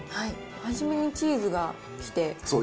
初めにチーズが来て。